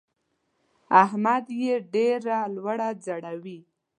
احمد يې ډېره لوړه ځړوي.